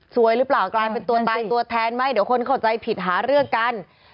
หรือเปล่ากลายเป็นตัวตายตัวแทนไหมเดี๋ยวคนเข้าใจผิดหาเรื่องกัน